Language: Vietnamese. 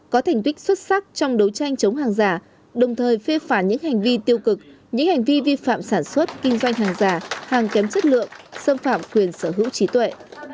có thành tích xuất sắc trong đấu tranh chống hàng giả đồng thời phê phản những hành vi tiêu cực những hành vi vi phạm sản xuất kinh doanh hàng giả hàng kém chất lượng xâm phạm quyền sở hữu trí tuệ